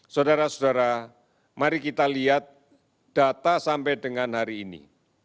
saudara saudara mari kita lihat data sampai dengan hari ini